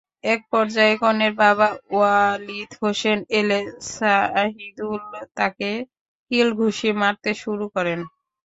একপর্যায়ে কনের বাবা ওয়ালিদ হোসেন এলে সাহিদুল তাঁকে কিল-ঘুষি মারতে শুরু করেন।